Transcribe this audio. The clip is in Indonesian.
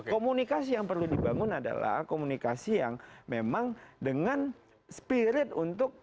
komunikasi yang perlu dibangun adalah komunikasi yang memang dengan spirit untuk